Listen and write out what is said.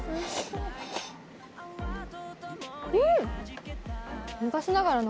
うん！